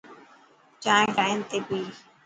چائين ٽائم تي پي.